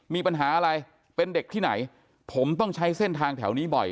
มีปัญหาอะไรเป็นเด็กที่ไหนผมต้องใช้เส้นทางแถวนี้บ่อย